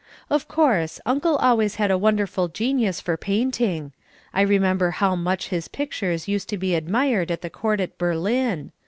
Of course, Uncle always had a wonderful genius for painting. I remember how much his pictures used to be admired at the court at Berlin.